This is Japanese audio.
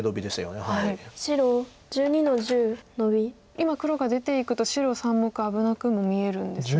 今黒が出ていくと白３目危なくも見えるんですが。